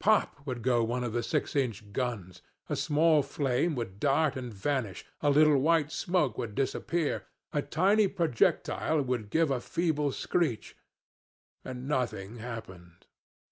Pop, would go one of the eight inch guns; a small flame would dart and vanish, a little white smoke would disappear, a tiny projectile would give a feeble screech and nothing happened.